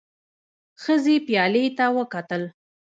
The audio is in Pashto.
ښځې پيالې ته وکتل.